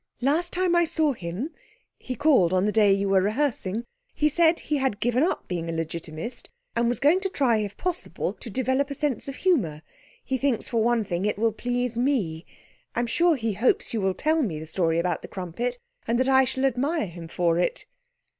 Last time I saw him he called the day you were rehearsing he said he had given up being a Legitimist, and was going to try, if possible, to develop a sense of humour. He thinks for one thing it will please me. I'm sure he hopes you will tell me the story about the crumpet, and that I shall admire him for it.'